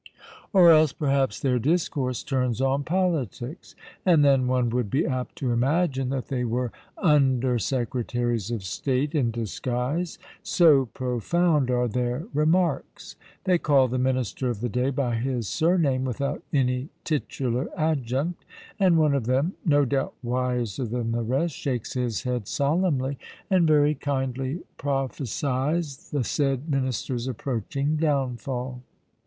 Or else, perhaps, their discourse turns on politics; and, then, one would be apt to imagine that they were Under Secretaries of State in disguise, so profound are their remarks! They call the Minister of the day by his surname without any titular adjunct; and one of them, no doubt wiser than the rest, shakes his head solemnly, and very kindly prophesies the said Minister's approaching downfall.